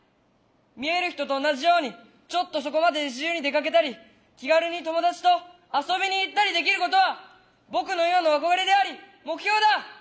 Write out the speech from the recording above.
見える人と同じようにちょっとそこまで自由に出かけたり気軽に友達と遊びに行ったりできることは僕の今の憧れであり目標だ。